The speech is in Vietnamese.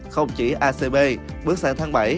không chỉ acb bước sang tháng bảy